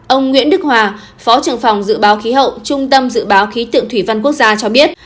ông nguyễn đức hòa phó trưởng phòng dự báo khí hậu trung tâm dự báo khí tượng thủy văn quốc gia cho biết